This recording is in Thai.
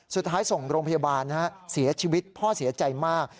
สุดท้ายส่งโรงพยาบาลเสียชีวิตพ่อเสียใจมาก